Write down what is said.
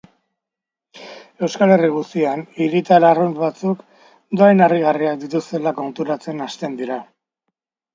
Mundu guztian, hiritar arrunt batzuk dohain harrigarriak dituztela konturatzen hasten dira.